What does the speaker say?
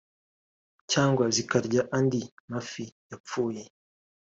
cyangwa zikarya andi mafi yapfuye